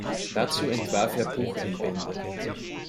Dazu entwarf er Bucheinbände.